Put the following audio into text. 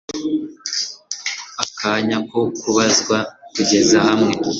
akanya ko kubazwa, kugeza hamwe